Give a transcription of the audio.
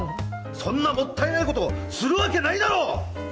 そんなもったいないことするわけないだろ！